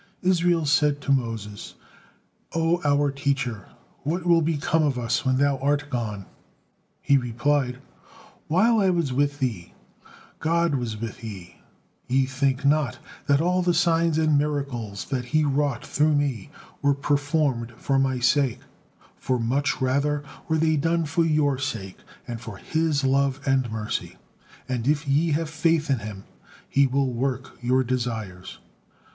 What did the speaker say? '" Israel said to Moses: "O our teacher, what will become of us when thou art gone?" He replied: "While I was with ye, God was with ye; yet think not that all the signs and miracles that He wrought through me were performed for my sake, for much rather were they done for your sake, and for His love and mercy, and if ye have faith in Him, He will work your desires.